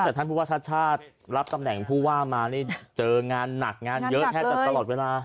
แต่ท่านผู้ว่าชาติชาติรับตำแหน่งผู้ว่ามานี่เจองานหนักงานเยอะแทบจะตลอดเวลา